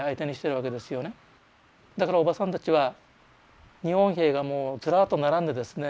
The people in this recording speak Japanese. だからおばさんたちは日本兵がもうずらっと並んでですね